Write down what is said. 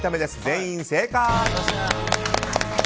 全員正解！